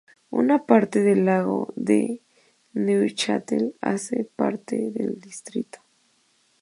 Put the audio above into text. Una parte del lago de Neuchâtel hace parte del distrito.